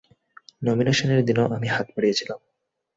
নমিনেশনের দিনেও আমি হাত বাড়িয়েছিলাম।